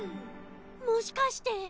もしかして。